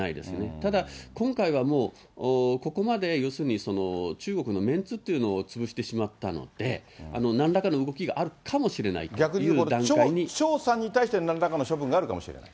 ただ今回はもう、ここまで要するに、中国のメンツっていうのを潰してしまったので、なんらかの動きが逆に言うと、張さんに対して、なんらかの処分があるかもしれない？